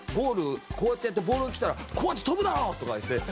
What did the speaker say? こうやってやってボールが来たらこうやって跳ぶだろ！とか言って。